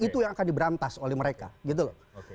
itu yang akan diberantas oleh mereka gitu loh